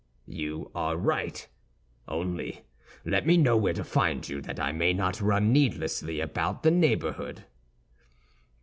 "You are right; only let me know where to find you that I may not run needlessly about the neighborhood."